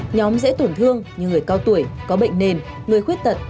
nhóm dễ tổn thương như người cao tuổi có bệnh nền người khuyết tật